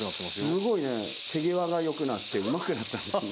すごいね手際がよくなってうまくなったんですね。